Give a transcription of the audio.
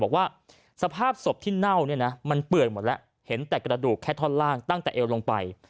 บอกว่าสภาพศพที่เน่าเนี่ยนะมันเปื่อยหมดแล้วเห็นแต่กระดูกแค่ท่อนล่างตั้งแต่เอวลงไป